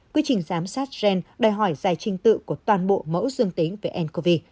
quy trình giám sát jen đòi hỏi dài trình tự của toàn bộ mẫu dương tính về ncov